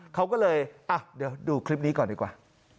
เขาก็เลยเดี๋ยวดูคลิปนี้ก่อนดีกว่า